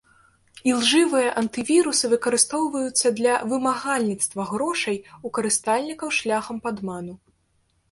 Ілжывыя антывірусы выкарыстоўваюцца для вымагальніцтва грошай у карыстальнікаў шляхам падману.